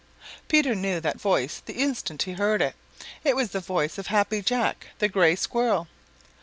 Peter knew that voice the instant he heard it. It was the voice of Happy Jack the Gray Squirrel.